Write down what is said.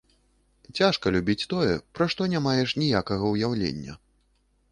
Цяжка любіць тое, пра што не маеш ніякага ўяўлення.